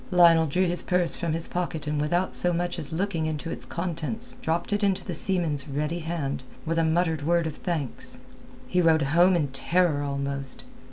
Lionel drew his purse from his pocket and without so much as looking into its contents dropped it into the seaman's ready hand, with a muttered word of thanks. He rode home in terror almost.